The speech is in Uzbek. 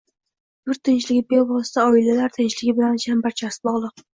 Yurt tinchligi bevosita oilalar tinchligi bilan chambarchas bog‘liq.